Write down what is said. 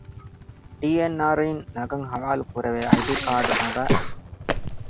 ޑީ. އެން. އާރު އިން ނަގަން ޙަވާލުކުރެވޭ އައި ޑީ ކާޑު ނަގައި